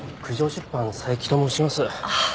出版佐伯と申します。